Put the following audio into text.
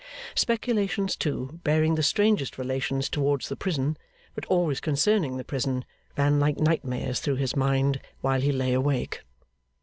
Speculations, too, bearing the strangest relations towards the prison, but always concerning the prison, ran like nightmares through his mind while he lay awake.